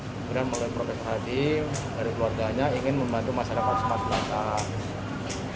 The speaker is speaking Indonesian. kemudian melalui proses hadi dari keluarganya ingin membantu masyarakat sumatera selatan